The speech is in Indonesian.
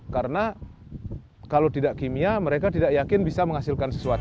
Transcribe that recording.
karena kalau tidak kimia mereka tidak yakin bisa menghasilkan sesuatu